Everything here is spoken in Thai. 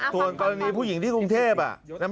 ตอนนี้ผู้หญิงที่กรุงเทพอ่ะ